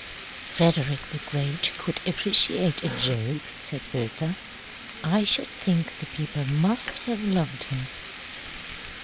"Frederick the Great could appreciate a joke," said Bertha. "I should think the people must have loved him."